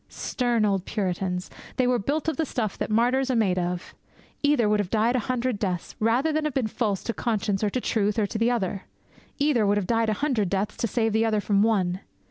Stern old Puritans! They were built of the stuff that martyrs are made of. Either would have died a hundred deaths rather than have been false to conscience, or to truth, or to the other. Either would have died a hundred deaths to save the other from one.